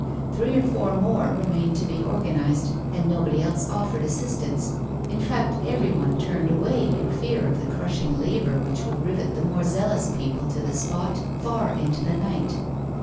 Three or four more remained to be organised, and nobody else offered assistance; in fact, every one turned away in fear of the crushing labour which would rivet the more zealous people to the spot far into the night.